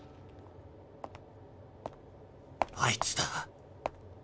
あいつだ。